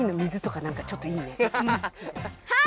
はい。